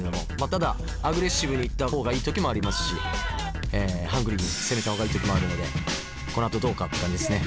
ただアグレッシブに行ったほうがいい時もありますしハングリーに攻めたほうがいい時もあるのでこのあとどうかって感じですね。